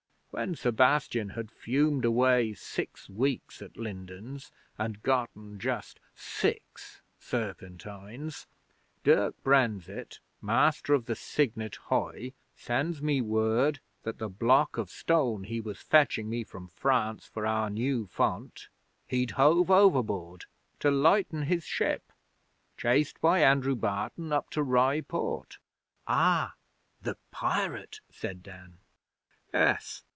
'When Sebastian had fumed away six weeks at Lindens and gotten just six serpentines, Dirk Brenzett, Master of the Cygnet hoy, sends me word that the block of stone he was fetching me from France for our new font he'd hove overboard to lighten his ship, chased by Andrew Barton up to Rye Port.' 'Ah! The pirate!' said Dan. 'Yes.